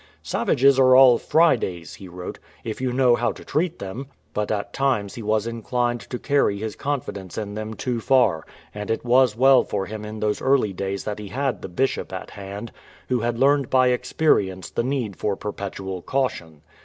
"Savages are all Fridays," he wrote, "if you know how to treat them." But at times he was inclined to carry his con fidence in them too far, and it was well for him in those early days that he had the Bishop at hand, who had learned by experience the need for perpetual caution.